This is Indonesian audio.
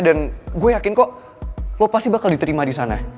dan gue yakin kok lo pasti bakal diterima disana